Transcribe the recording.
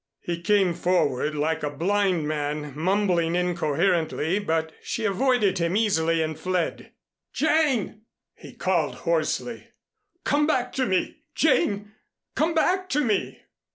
He came forward like a blind man, mumbling incoherently, but she avoided him easily, and fled. "Jane!" he called hoarsely. "Come back to me, Jane. Come back to me!